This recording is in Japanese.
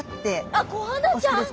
あっコハダちゃん！